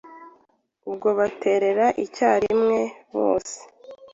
ubwo baterera icyarimwe bose